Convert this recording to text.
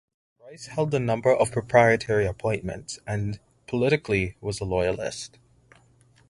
Brice held a number of Proprietary appointments and, politically, was a Loyalist.